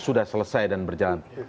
sudah selesai dan berjalan